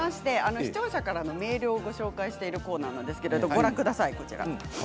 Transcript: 視聴者からのメールをご紹介しているコーナーです。